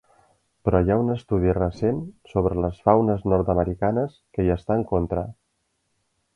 Però hi ha un estudi recent sobre les faunes nord-americanes que hi està en contra.